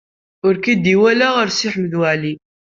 Ur k-id-iwala ara Si Ḥmed Waɛli.